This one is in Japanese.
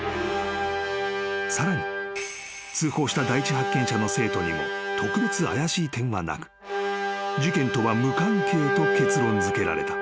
［さらに通報した第一発見者の生徒にも特別怪しい点はなく事件とは無関係と結論づけられた］